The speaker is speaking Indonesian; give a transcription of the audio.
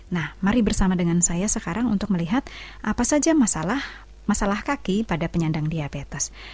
nah mari bersama dengan saya sekarang untuk melihat apa saja masalah kaki pada penyandang diabetes